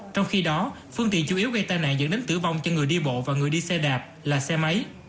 trong khi đó phương tiện chủ yếu gây tai nạn dẫn đến tử vong cho người đi bộ và người đi xe đạp là xe máy